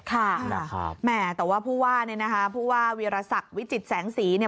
ค่ะนะครับแหมแต่ว่าผู้ว่าเนี่ยนะคะผู้ว่าวีรศักดิ์วิจิตแสงสีเนี่ย